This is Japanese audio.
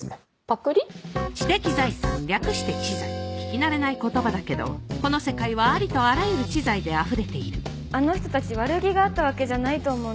知的財産略して知財聞き慣れない言葉だけどこの世界はありとあらゆる知財であふれているあの人たち悪気があったわけじゃないと思うんです。